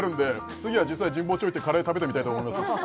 「次は実際神保町行ってカレー食べてみたいと思います」